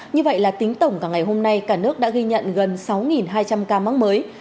như vậy là tính tổng cả ngày hôm nay cả nước đã ghi nhận gần sáu hai trăm linh ca mắc mới